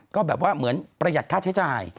ก็เหมือนประหยัดค่าใช้จ่าย